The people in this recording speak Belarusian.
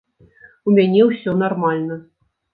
У мяне ўсё нармальна.